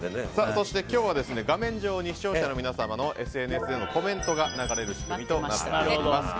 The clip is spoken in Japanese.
今日は、画面上に視聴者の皆様のＳＮＳのコメントが流れる仕組みとなっています。